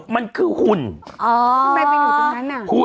มะนาว